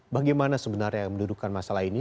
bagaimana sebenarnya yang mendudukan masalah ini